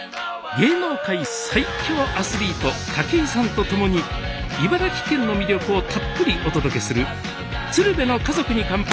芸能界最強アスリート武井さんと共に茨城県の魅力をたっぷりお届けする「鶴瓶の家族に乾杯」